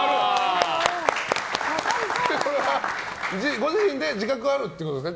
ご自身で自覚はあるってことですね。